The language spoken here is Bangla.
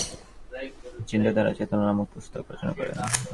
তিনি সামাজিক ও রাকনৈতিক চিন্তাধারায় চেতনা নামক পুস্তক রচনা করেন।